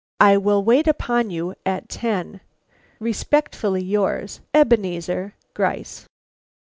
"I will wait upon you at ten. "Respectfully yours, "EBENEZAR GRYCE."